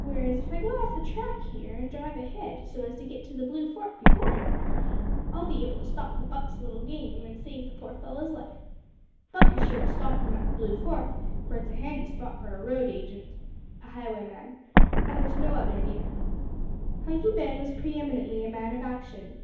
Whereas, if I go off the track here an' drive ahead so as to git to the Blue Fork before him, I'll be able to stop the Buck's little game, an' save the poor fellow's life. Buck is sure to stop him at the Blue Fork, for it's a handy spot for a road agent, [a highwayman] and there's no other near." Hunky Ben was pre eminently a man of action.